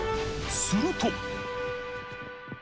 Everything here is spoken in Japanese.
すると。